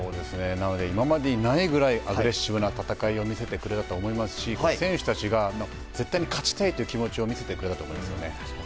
今までにないぐらいアグレッシブな戦いを見せてくれたと思いますし選手たちが絶対に勝ちたいという気持ちを見せてくれたと思います。